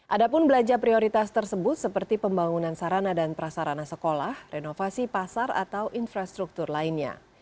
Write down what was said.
ada pun belanja prioritas tersebut seperti pembangunan sarana dan prasarana sekolah renovasi pasar atau infrastruktur lainnya